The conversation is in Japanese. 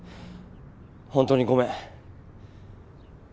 本当にごめん。